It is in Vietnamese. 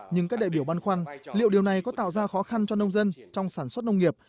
nhưng các đại biểu băn khoăn liệu điều này có tạo ra khó khăn cho nông dân trong sản xuất nông nghiệp